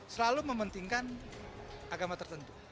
selalu mementingkan agama tertentu